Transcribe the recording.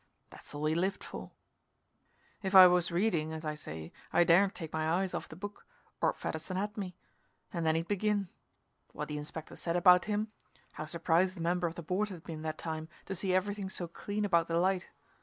That's all he lived for. If I was reading, as I say, I daren't take my eyes off the book, or Fedderson had me. And then he'd begin what the Inspector said about him. How surprised the member of the board had been, that time, to see everything so clean about the light.